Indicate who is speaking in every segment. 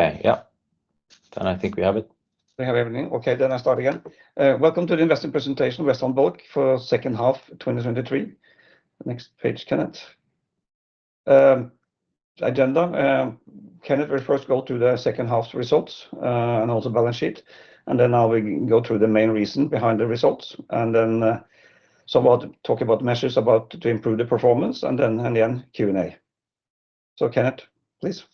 Speaker 1: Okay, yep. Then I think we have it.
Speaker 2: We have everything. Okay, then I start again. Welcome to the investment presentation of Western Bulk for Second Half 2023. Next page, Kenneth. Agenda: Kenneth will first go through the second half's results and also balance sheet, and then now we go through the main reason behind the results, and then talk about measures to improve the performance, and then again Q&A. Kenneth, please.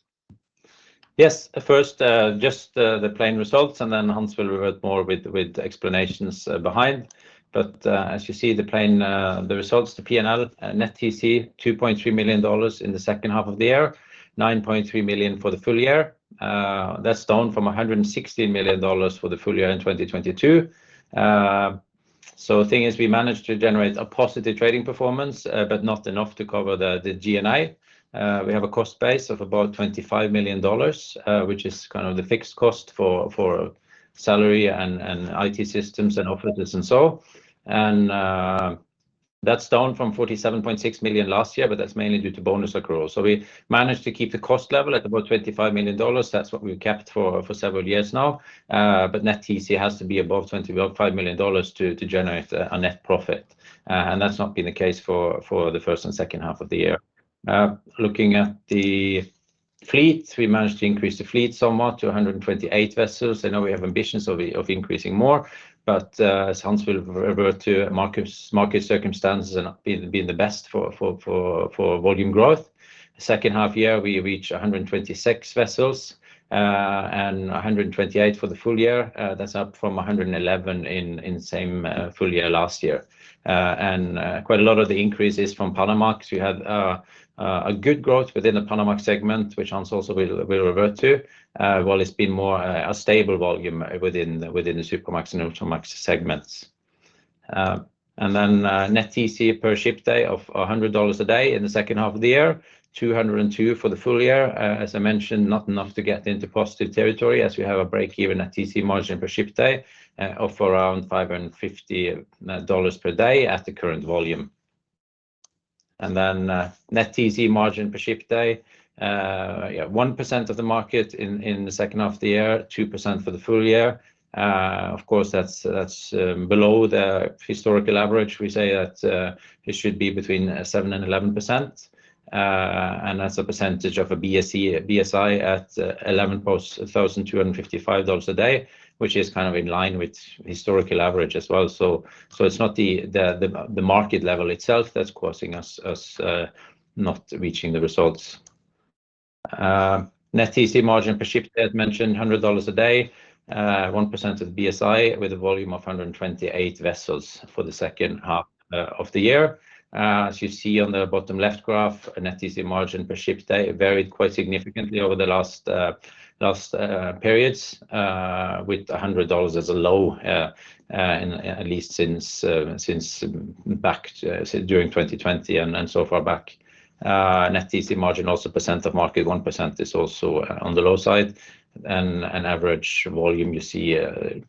Speaker 1: Yes, first just the plain results, and then Hans will revert more with explanations behind. As you see, the results, the P&L net TC $2.3 million in the second half of the year, $9.3 million for the full year. That's down from $116 million for the full year in 2022. The thing is, we managed to generate a positive trading performance, but not enough to cover the G&A. We have a cost base of about $25 million, which is kind of the fixed cost for salary and IT systems and offices and so. That's down from $47.6 million last year, but that's mainly due to bonus accrual. We managed to keep the cost level at about $25 million. That's what we've kept for several years now. Net TC has to be above $25 million to generate a net profit. That's not been the case for the first and second half of the year. Looking at the fleet, we managed to increase the fleet somewhat to 128 vessels. I know we have ambitions of increasing more, but as Hans will revert to, market circumstances have been the best for volume growth. Second half year, we reached 126 vessels and 128 for the full year. That's up from 111 in same full year last year. Quite a lot of the increase is from Panamax. We had a good growth within the Panamax segment, which Hans also will revert to, while it's been more a stable volume within the Supramax and Ultramax segments. Then net TC per ship day of $100 a day in the second half of the year, $202 for the full year. As I mentioned, not enough to get into positive territory as we have a break-even at TC margin per ship day of around $550/day at the current volume. Then net TC margin per ship day, 1% of the market in the second half of the year, 2% for the full year. Of course, that's below the historical average. We say that this should be between 7% and 11%. That's a percentage of a BSI at $11,255 a day, which is kind of in line with historical average as well. It's not the market level itself that's causing us not reaching the results. Net TC margin per ship day, as mentioned, $100 a day, 1% of the BSI with a volume of 128 vessels for the second half of the year. As you see on the bottom left graph, net TC margin per ship day varied quite significantly over the last periods with $100 as a low, at least since back during 2020 and so far back. Net TC margin also, percent of market, 1% is also on the low side. An average volume you see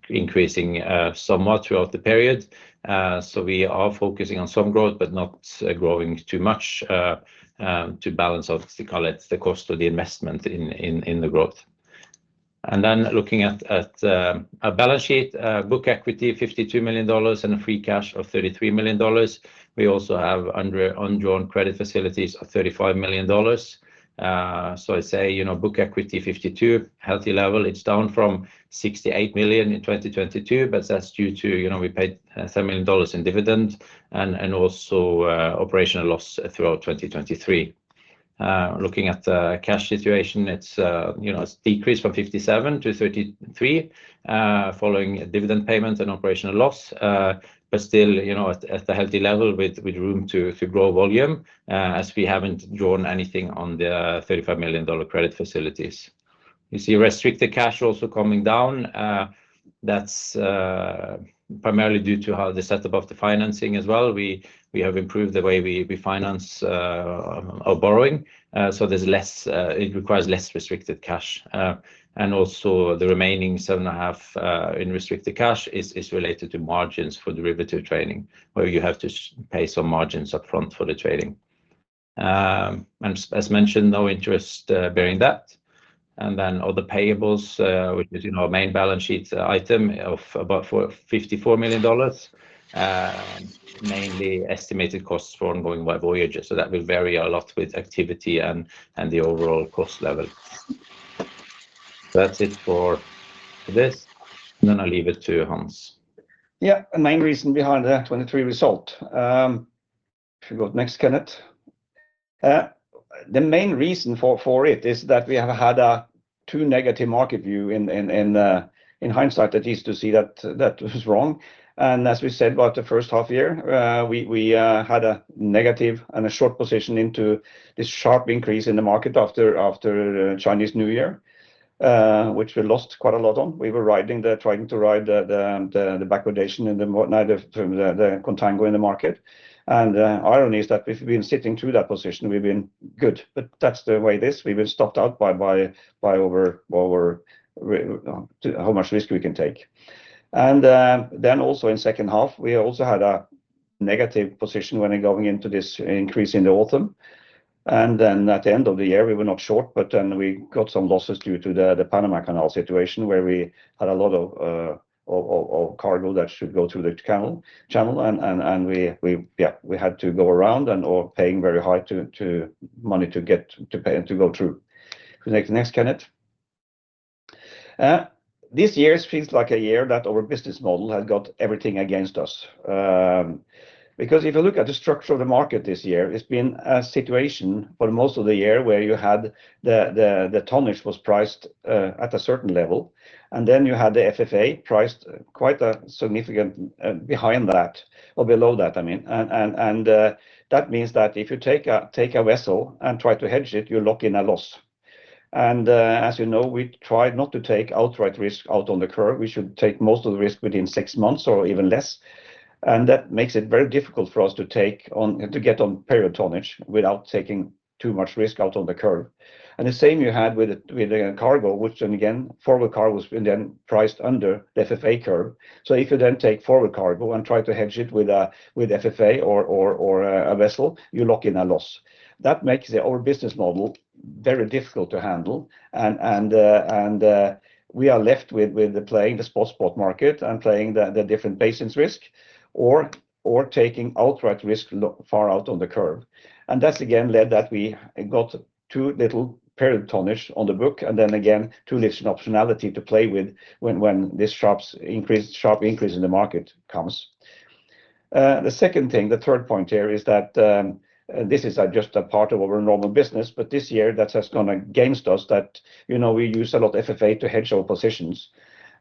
Speaker 1: increasing somewhat throughout the period. We are focusing on some growth, but not growing too much to balance out, call it, the cost of the investment in the growth. Then looking at a balance sheet: book equity $52 million and free cash of $33 million. We also have undrawn credit facilities of $35 million. I say book equity 52, healthy level. It's down from $68 million in 2022, but that's due to we paid $7 million in dividend and also operational loss throughout 2023. Looking at the cash situation, it's decreased from $57 million to $33 million following dividend payments and operational loss, but still at the healthy level with room to grow volume as we haven't drawn anything on the $35 million credit facilities. You see restricted cash also coming down. That's primarily due to the setup of the financing as well. We have improved the way we finance our borrowing. It requires less restricted cash. Also the remaining $7.5 million in restricted cash is related to margins for derivative trading, where you have to pay some margins upfront for the trading. As mentioned, no interest-bearing debt. Then other payables, which is our main balance sheet item of about $54 million, mainly estimated costs for ongoing live voyages. That will vary a lot with activity and the overall cost level. That's it for this. Then I'll leave it to Hans.
Speaker 2: Yeah, the main reason behind that 2023 result. If we go to next, Kenneth. The main reason for it is that we have had two negative market views in hindsight that used to see that was wrong. As we said about the first half year, we had a negative and a short position into this sharp increase in the market after Chinese New Year, which we lost quite a lot on. We were trying to ride the backwardation and the contango in the market. The irony is that we've been sitting through that position. We've been good. That's the way it is. We've been stopped out by how much risk we can take. Then also in second half, we also had a negative position when going into this increase in the autumn. Then at the end of the year, we were not short, but then we got some losses due to the Panama Canal situation where we had a lot of cargo that should go through the channel. Yeah, we had to go around and paying very high money to go through. If we make the next, Kenneth. This year seems like a year that our business model had got everything against us. Because if you look at the structure of the market this year, it's been a situation for most of the year where you had the tonnage was priced at a certain level, and then you had the FFA priced quite significantly behind that or below that, I mean. That means that if you take a vessel and try to hedge it, you're locking a loss. As you know, we tried not to take outright risk out on the curve. We should take most of the risk within six months or even less. That makes it very difficult for us to get on period tonnage without taking too much risk out on the curve. The same you had with the cargo, which then again, forward cargo was then priced under the FFA curve. If you then take forward cargo and try to hedge it with FFA or a vessel, you lock in a loss. That makes our business model very difficult to handle. We are left with playing the spot-spot market and playing the different basins risk or taking outright risk far out on the curve. That's again led that we got too little period tonnage on the book, and then again, too little optionality to play with when this sharp increase in the market comes. The third point here is that this is just a part of our normal business, but this year that has gone against us, that we use a lot of FFA to hedge our positions.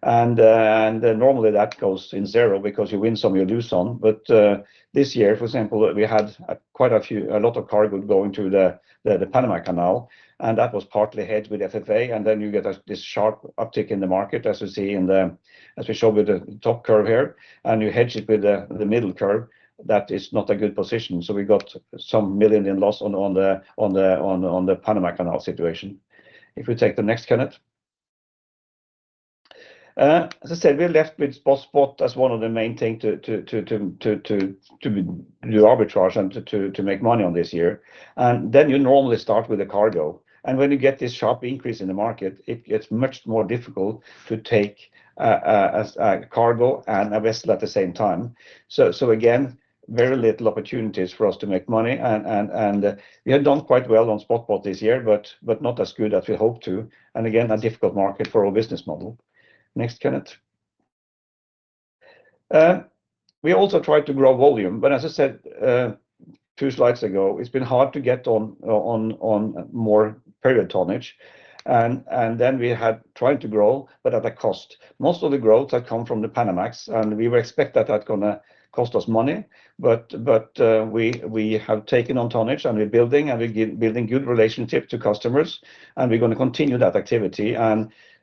Speaker 2: Normally that goes in zero because you win some, you lose some. This year, for example, we had quite a lot of cargo going through the Panama Canal, and that was partly hedged with FFA. Then you get this sharp uptick in the market, as we see as we show with the top curve here, and you hedge it with the middle curve. That is not a good position. We got some million dollars in loss on the Panama Canal situation. If we take the next, Kenneth. As I said, we're left with spot-spot as one of the main things to do arbitrage and to make money on this year. Then you normally start with the cargo. When you get this sharp increase in the market, it gets much more difficult to take cargo and a vessel at the same time. Again, very little opportunities for us to make money. We had done quite well on spot-spot this year, but not as good as we hoped to. Again, a difficult market for our business model. Next, Kenneth. We also tried to grow volume. As I said two slides ago, it's been hard to get on more period tonnage. hen we had tried to grow, but at a cost. Most of the growth had come from the Panamax, and we were expecting that that's going to cost us money. We have taken on tonnage, and we're building, and we're building good relationships to customers. We're going to continue that activity.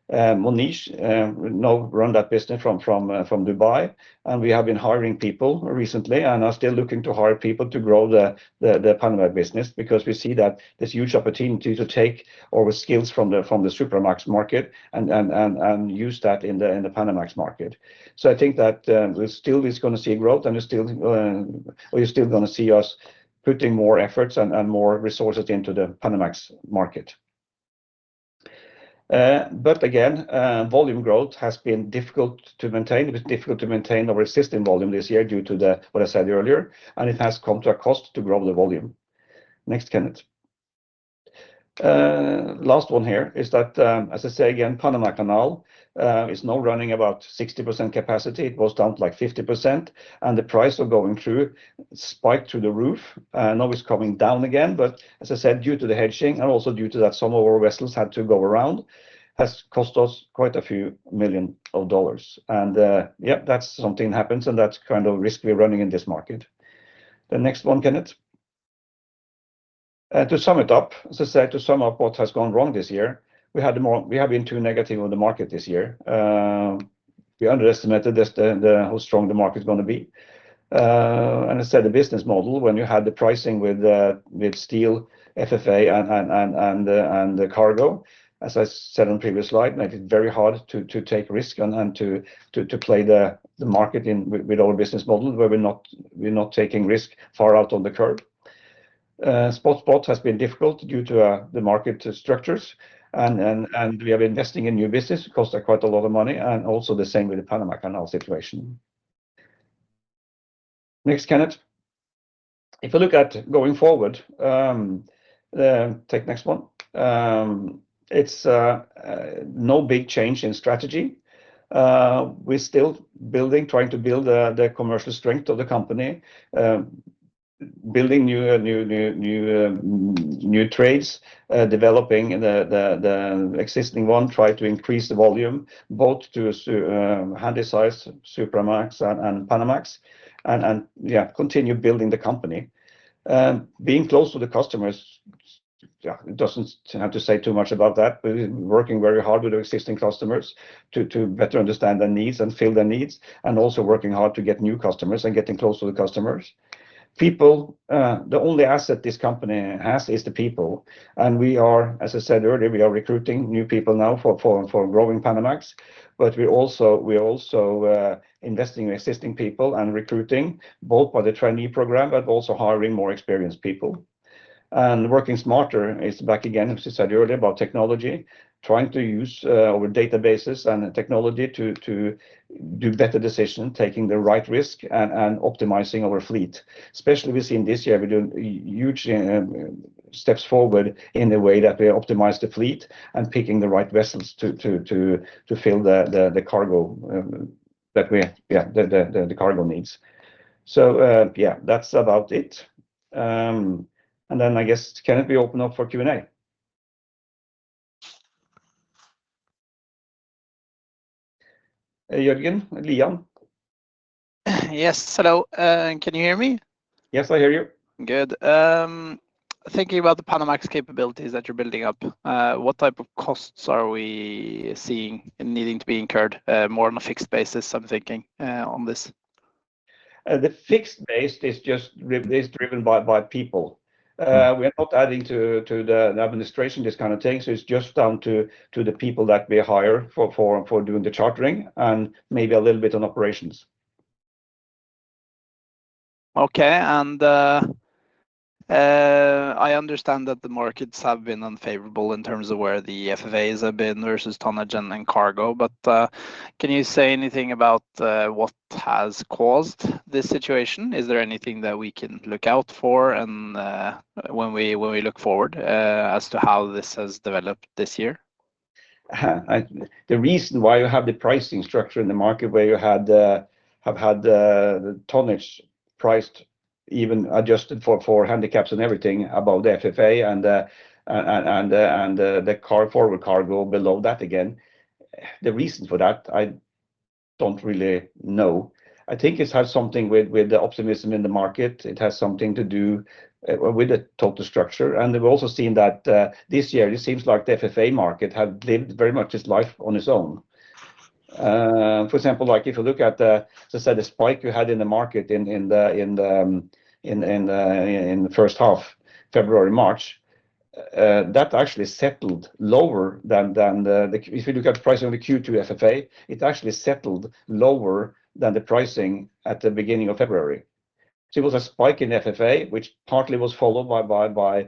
Speaker 2: And Mohneesh now run that business from Dubai. We have been hiring people recently, and are still looking to hire people to grow the Panamax business because we see that this huge opportunity to take our skills from the Supramax market and use that in the Panamax market. I think that still we're going to see growth, and you're still going to see us putting more efforts and more resources into the Panamax market. Again, volume growth has been difficult to maintain. It was difficult to maintain our existing volume this year due to what I said earlier. It has come to a cost to grow the volume. Next, Kenneth. Last one here is that, as I say again, Panama Canal is now running about 60% capacity. It was down to like 50%. The price of going through spiked through the roof. Now it's coming down again. As I said, due to the hedging and also due to that some of our vessels had to go around, has cost us quite a few million dollars. Yeah, that's something that happens, and that's kind of risk we're running in this market. The next one, Kenneth. To sum it up, as I said, to sum up what has gone wrong this year, we have been too negative on the market this year. We underestimated how strong the market's going to be. As I said, the business model, when you had the pricing with steel, FFA, and cargo, as I said on the previous slide, made it very hard to take risk and to play the market with our business model where we're not taking risk far out on the curve. Spot-spot has been difficult due to the market structures. We have been investing in new business. It costs quite a lot of money. Also the same with the Panama Canal situation. Next, Kenneth. If we look at going forward, take the next one. It's no big change in strategy. We're still trying to build the commercial strength of the company, building new trades, developing the existing one, trying to increase the volume both in Handysize Supramax and Panamax, and yeah, continue building the company. Being close to the customers, yeah, it doesn't have to say too much about that. We're working very hard with our existing customers to better understand their needs and fill their needs, and also working hard to get new customers and getting close to the customers. The only asset this company has is the people. As I said earlier, we are recruiting new people now for growing Panamax. We're also investing in existing people and recruiting both by the trainee program, but also hiring more experienced people. Working smarter is back again, as I said earlier, about technology, trying to use our databases and technology to do better decisions, taking the right risk, and optimizing our fleet. Especially, we've seen this year, we're doing huge steps forward in the way that we optimize the fleet and picking the right vessels to fill the cargo that the cargo needs. Yeah, that's about it. Then I guess, Kenneth, we open up for Q&A. Hello again, Lian.
Speaker 3: Yes. Hello. Can you hear me?
Speaker 2: Yes, I hear you.
Speaker 3: Good. Thinking about the Panamax capabilities that you're building up, what type of costs are we seeing needing to be incurred? More on a fixed basis, I'm thinking, on this?
Speaker 2: The fixed base is driven by people. We are not adding to the administration, this kind of thing. It's just down to the people that we hire for doing the chartering and maybe a little bit on operations.
Speaker 3: Okay. I understand that the markets have been unfavorable in terms of where the FFAs have been versus tonnage and cargo. Can you say anything about what has caused this situation? Is there anything that we can look out for when we look forward as to how this has developed this year?
Speaker 2: The reason why you have the pricing structure in the market where you have had tonnage priced even adjusted for Handysize and everything above the FFA and the forward cargo below that again, the reason for that, I don't really know. I think it has something with the optimism in the market. It has something to do with the total structure. We've also seen that this year, it seems like the FFA market has lived very much its life on its own. For example, if you look at, as I said, the spike you had in the market in the first half, February, March, that actually settled lower than if you look at the pricing of the Q2 FFA, it actually settled lower than the pricing at the beginning of February. It was a spike in FFA, which partly was followed by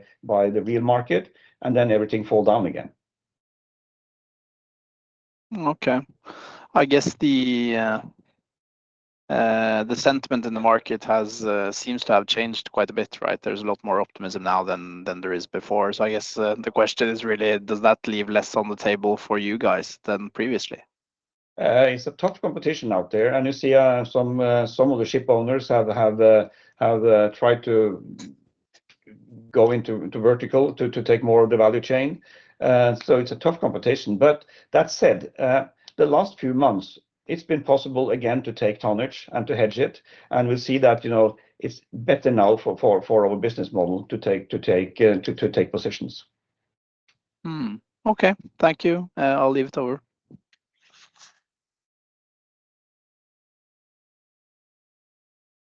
Speaker 2: the real market, and then everything fell down again.
Speaker 3: Okay. I guess the sentiment in the market seems to have changed quite a bit, right? There's a lot more optimism now than there is before. I guess the question is really, does that leave less on the table for you guys than previously?
Speaker 2: It's a tough competition out there. You see some of the shipowners have tried to go into vertical, to take more of the value chain. It's a tough competition. That said, the last few months, it's been possible again to take tonnage and to hedge it. We'll see that it's better now for our business model to take positions.
Speaker 3: Okay. Thank you. I'll leave it over.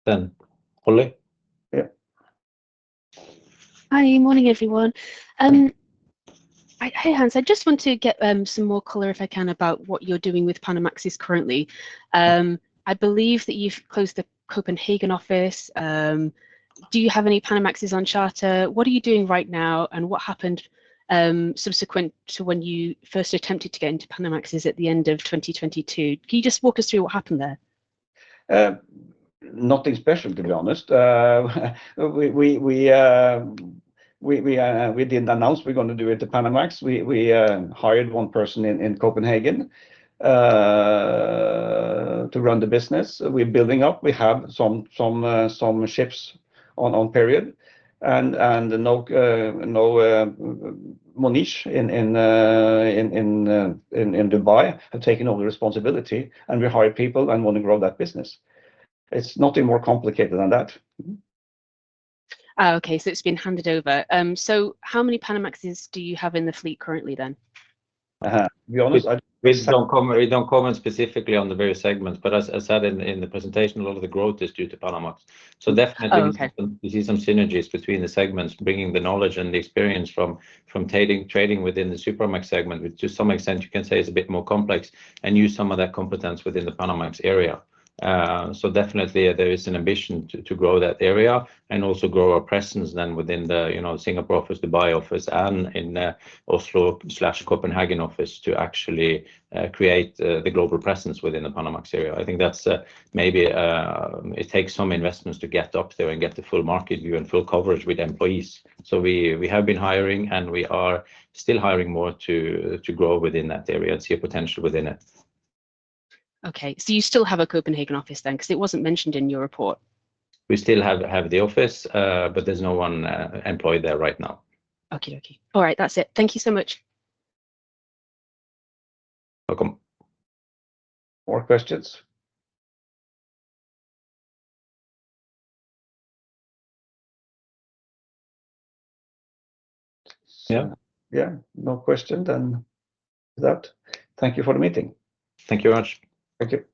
Speaker 2: Then Ulrik. Yeah.
Speaker 4: Hi. Morning, everyone. Hey, Hans. I just want to get some more color, if I can, about what you're doing with Panamaxes currently. I believe that you've closed the Copenhagen office. Do you have any Panamaxes on charter? What are you doing right now, and what happened subsequent to when you first attempted to get into Panamaxes at the end of 2022? Can you just walk us through what happened there?
Speaker 2: Nothing special, to be honest. We didn't announce we're going to do it at the Panamax. We hired one person in Copenhagen to run the business. We're building up. We have some ships on period. Mohneesh in Dubai has taken all the responsibility. We hire people and want to grow that business. It's nothing more complicated than that.
Speaker 4: Okay. It's been handed over. How many Panamaxes do you have in the fleet currently, then?
Speaker 2: To be honest.
Speaker 1: We don't comment specifically on the various segments. As I said in the presentation, a lot of the growth is due to Panamax. Definitely, we see some synergies between the segments, bringing the knowledge and the experience from trading within the Supramax segment, which to some extent, you can say, is a bit more complex, and use some of that competence within the Panamax area. Definitely, there is an ambition to grow that area and also grow our presence then within the Singapore office, Dubai office, and in Oslo/Copenhagen office to actually create the global presence within the Panamax area. I think maybe it takes some investments to get up there and get the full market view and full coverage with employees. We have been hiring, and we are still hiring more to grow within that area and see a potential within it.
Speaker 4: Okay. You still have a Copenhagen office then because it wasn't mentioned in your report?
Speaker 1: We still have the office, but there's no one employed there right now.
Speaker 4: Okay. Okay. All right. That's it. Thank you so much.
Speaker 2: Welcome. More questions?
Speaker 1: Yeah.
Speaker 2: Yeah. No question then. With that, thank you for the meeting.
Speaker 1: Thank you very much.
Speaker 2: Thank you.